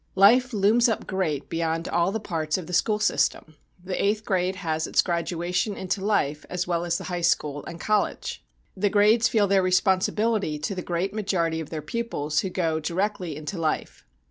Life looms up great beyond all the parts of the school system. The eighth grade has its graduation into life as well as the high school and college. The grades feel their responsibility to the great majority of their pupils who go directly into life.